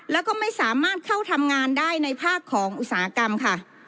แล้วก็ไม่สามารถเข้าทำงานได้ในภาคของอุตสาหกรรมค่ะ